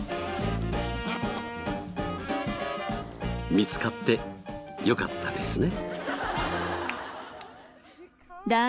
見つかってよかったですね。